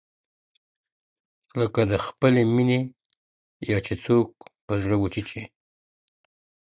لکه د خپلې مينې «يا» چي څوگ په زړه وچيچي,